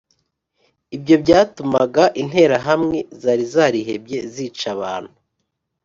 Ibyo byatumaga Interahamwe zari zarihebye zica abantu